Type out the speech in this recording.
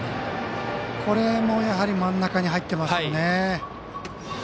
これもやはり真ん中に入ってますよね。